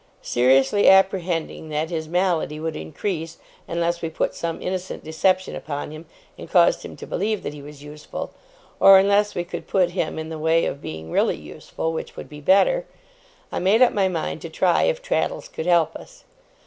Seriously apprehending that his malady would increase, unless we put some innocent deception upon him and caused him to believe that he was useful, or unless we could put him in the way of being really useful (which would be better), I made up my mind to try if Traddles could help us.